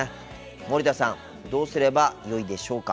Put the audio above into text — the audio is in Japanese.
森田さんどうすればよいでしょうか。